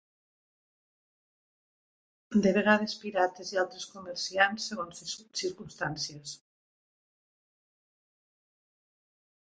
De vegades pirates i altres comerciants, segons circumstàncies.